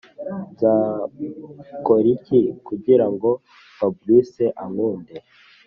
nzakoriki kugira ngo fabric ankunde?